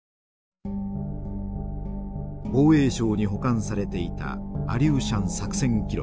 防衛省に保管されていたアリューシャン作戦記録。